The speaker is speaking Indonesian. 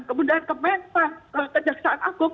kemudian kementerian kejaksaan agung